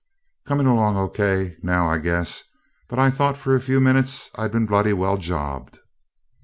"Coming along O. K. now, I guess but I thought for a few minutes I'd been bloody well jobbed."